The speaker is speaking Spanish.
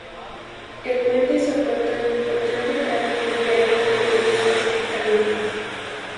El puente soporta un importante tráfico diario de turismos y camiones.